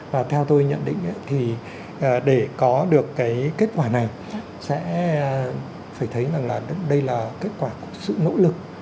và theo tôi nhận định thì để có được cái kết quả này sẽ phải thấy rằng là đây là kết quả sự nỗ lực